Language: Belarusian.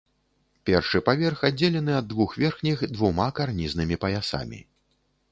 Першы паверх аддзелены ад двух верхніх двума карнізнымі паясамі.